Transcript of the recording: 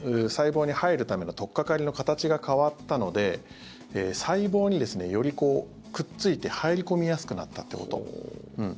細胞に入るためのとっかかりの形が変わったので細胞に、よりくっついて入り込みやすくなったってこと。